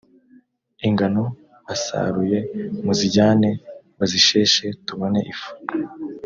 ingano basaruye muzijyane bazisheshe tubone ifu